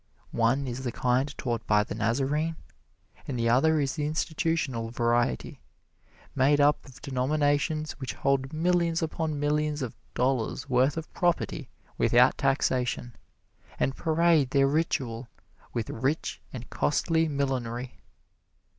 One is the kind taught by the Nazarene; and the other is the institutional variety, made up of denominations which hold millions upon millions of dollars' worth of property without taxation, and parade their ritual with rich and costly millinery.